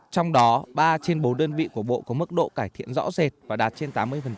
trong đó ba trên bốn đơn vị của bộ có mức độ cải thiện rõ rệt và đạt trên tám mươi